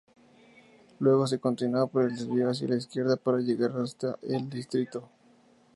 Luego se continúa por el desvío hacia la izquierda para llegar hasta este distrito.